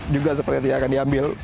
juga sepertinya akan diambil